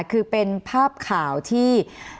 คือเป็นภาพข่าวที่